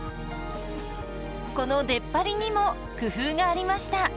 この出っ張りにも工夫がありました。